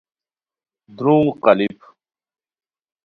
درونگ قالیپ